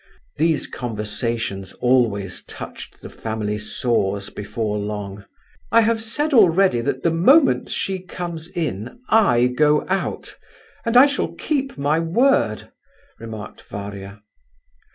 These conversations always touched the family sores before long. "I have said already that the moment she comes in I go out, and I shall keep my word," remarked Varia.